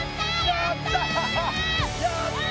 やった！